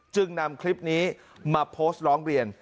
นำคลิปนี้มาโพสต์ร้องเรียน